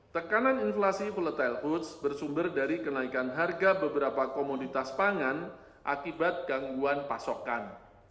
tekanan inflasi volatile hoods bersumber dari kenaikan harga beberapa komoditas pangan akibat gangguan pasokan